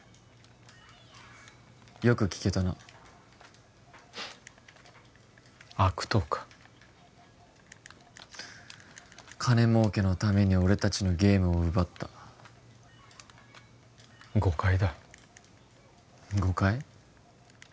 よく聞けたなフッ悪党か金儲けのために俺達のゲームを奪った誤解だ誤解？